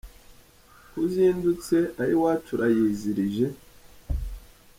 Ko uzindutse ay’iwacu urayizirije